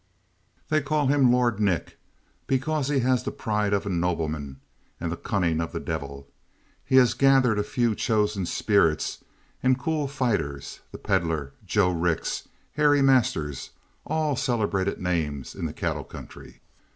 They call him Lord Nick because he has the pride of a nobleman and the cunning of the devil. He has gathered a few chosen spirits and cool fighters the Pedlar, Joe Rix, Harry Masters all celebrated names in the cattle country.